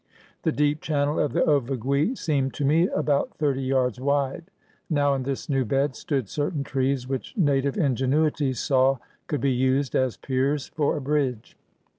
The deep channel of the Ovigui seemed to me about thirty yards wide. Now in this new bed stood certain trees which native ingenuity saw could be used as "piers" for a bridge.